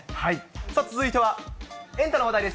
続いてはエンタの話題です。